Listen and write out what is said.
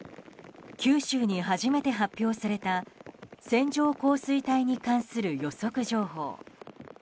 九州に初めて発表された線状降水帯に関する予測情報。